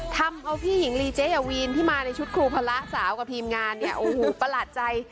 ทำเอาพี่หญิงลีเจ๊ยาวีนที่มาในชุดครูพละสาวกับทีมงานเนี่ยโอ้โหประหลาดใจ